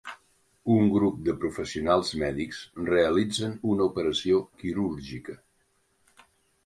Un grup de professionals mèdics realitzen una operació quirúrgica.